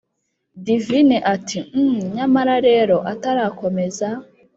divine ati: hhhm! nyamara rero……. atarakomeza,